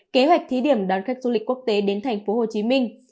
kế hoạch thí điểm đón khách du lịch quốc tế đến tp hcm